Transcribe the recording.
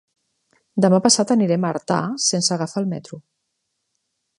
Demà passat anirem a Artà sense agafar el metro.